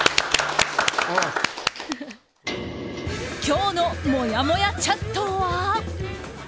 今日のもやもやチャットは。